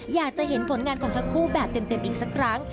อยากจะเห็นผลงานของทั้งคู่แบบเต็มอีกสักครั้ง